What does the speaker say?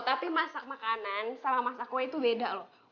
tapi masak makanan sama masak kue itu beda loh